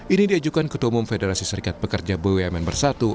ini diajukan ketua umum federasi serikat pekerja bumn bersatu